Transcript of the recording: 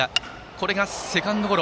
これがセカンドゴロ。